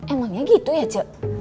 emangnya gitu ya cuk